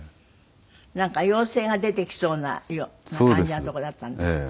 なんか妖精が出てきそうな感じのとこだったんですって？